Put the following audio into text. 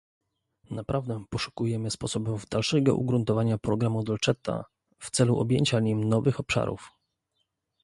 Naprawdę poszukujemy sposobów dalszego ugruntowania programu Dolcetta w celu objęcia nim nowych obszarów